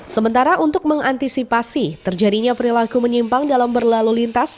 sementara untuk mengantisipasi terjadinya perilaku menyimpang dalam berlalu lintas